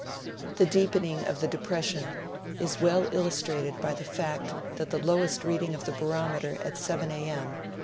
The deepening of the depression is well illustrated by the fact that the lowest reading of the barometer at 7 A. m.